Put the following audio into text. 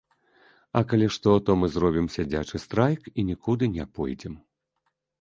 А калі што, то мы зробім сядзячы страйк і нікуды не пойдзем.